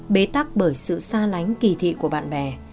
bế tắc bởi sự xa lánh kỳ thị của bà con